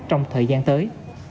trong thời gian tới